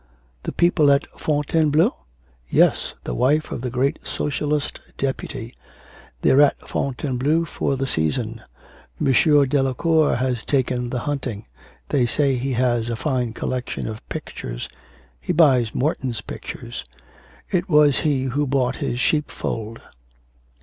'The people at Fontainebleau?' 'Yes, the wife of the great Socialist Deputy. They're at Fontainebleau for the season. M. Delacour has taken the hunting. They say he has a fine collection of pictures. He buys Morton's pictures.... It was he who bought his "Sheepfold."'